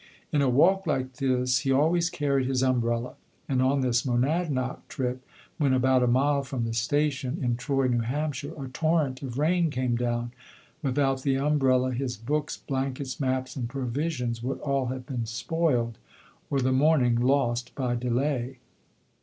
In a walk like this he always carried his umbrella; and on this Monadnoc trip, when about a mile from the station (in Troy, N. H.), a torrent of rain came down; without the umbrella his books, blankets, maps, and provisions would all have been spoiled, or the morning lost by delay.